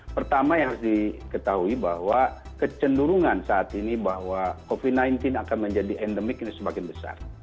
pertama yang harus diketahui bahwa kecenderungan saat ini bahwa covid sembilan belas akan menjadi endemik ini semakin besar